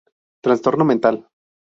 Trastorno mental.